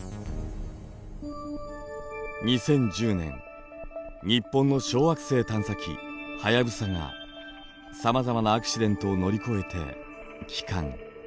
２０１０年日本の小惑星探査機「はやぶさ」がさまざまなアクシデントを乗り越えて帰還。